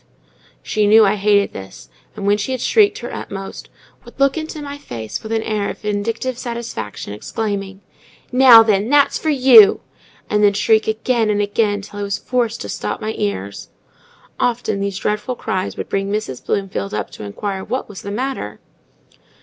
She knew I hated this, and when she had shrieked her utmost, would look into my face with an air of vindictive satisfaction, exclaiming,—"Now, then! that's for you!" and then shriek again and again, till I was forced to stop my ears. Often these dreadful cries would bring Mrs. Bloomfield up to inquire what was the matter?